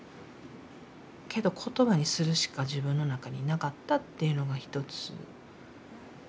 けど言葉にするしか自分の中になかったっていうのがひとつ。